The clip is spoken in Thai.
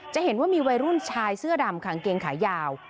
จะเห็นว่ามีวัยรุ่นชายเสื้อดำกางเกงขายาว